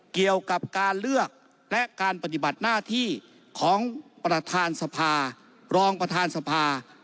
เกี่ยวกับการเลือกและการปฏิบัติหน้าที่ของประธานสภารองประธานสภา